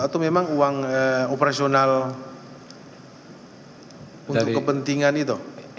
atau memang uang operasional untuk kepentingan itu